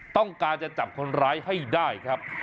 ต้องการจะจับคนร้ายให้ได้ครับ